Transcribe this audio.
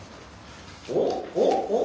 おっ？